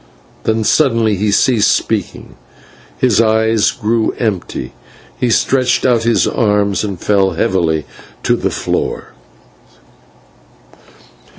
Then suddenly he ceased speaking, his eyes grew empty, he stretched out his arms and fell heavily to the floor.